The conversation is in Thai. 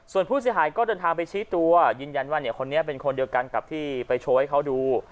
ส่วนผู้เสียหายก็เดินทางไปชี้ตัวยืนยันว่าคนนี้เป็นคนเดียวกันกับที่ไปโชว์ให้เขาดู